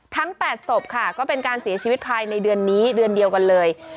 ๘ศพค่ะก็เป็นการเสียชีวิตภายในเดือนนี้เดือนเดียวกันเลย